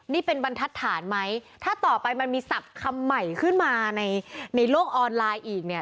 นี่เป็นบรรทัดฐานไหมถ้าต่อไปมันมีศัพท์คำใหม่ขึ้นมาในในโลกออนไลน์อีกเนี่ย